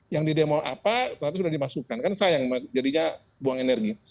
yang di demo apa ternyata sudah dimasukkan kan sayang jadinya buang energi